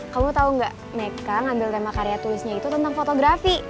kamu tau gak neka ngambil tema karya tulisnya itu tentang fotografi